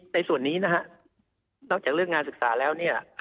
ในส่วนนี้นอกจากเรื่องงานศึกษาแล้ว